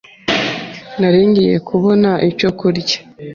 Nari ngiye kubona icyo kurya.